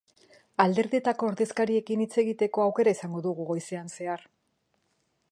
Alderdietako ordezkariekin hitz egiteko aukera izango dugu goizean zehar.